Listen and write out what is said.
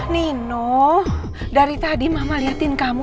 nino dari tadi mama lihatin kamu